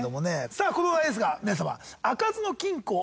さあこのお題ですが皆様。